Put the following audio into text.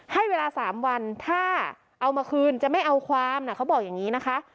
ให้เวลา๓วันถ้าเอามาคืนจะไม่เอาความเขาบอกอย่างนี้นะคะ